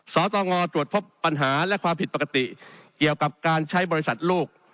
สตงตรวจพบปัญหาและความผิดปกติเกี่ยวกับการใช้บริษัทโลก